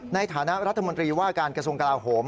ในฐานะรัฐมนตรีว่าการกระทรวงกลาโหม